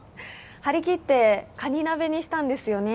張り切ってカニ鍋にしたんですよね。